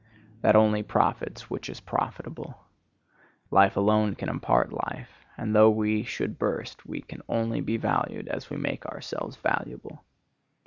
That only profits which is profitable. Life alone can impart life; and though we should burst we can only be valued as we make ourselves valuable.